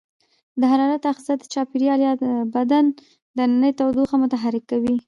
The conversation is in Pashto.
د حرارت آخذه د چاپیریال یا بدن دننۍ تودوخه محرک کوي.